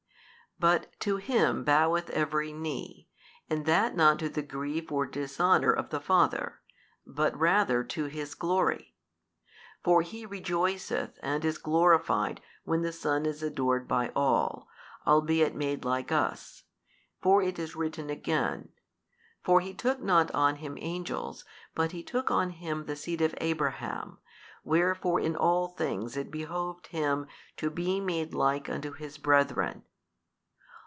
But to Him boweth every knee, and that not to the grief or dishonour of the Father, but rather to His glory: for He rejoiceth and is glorified when the Son is adored by all, albeit made like us; for it is written again, For He took not on Him angels but He took on Him the seed of Abraham, wherefore in all things it behoved Him to be made like unto His brethren.